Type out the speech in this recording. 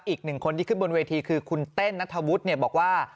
อีกหนึ่งคนที่ขึ้นบนเวทีคือคุณเต้นนัทธวุฒิบอกว่า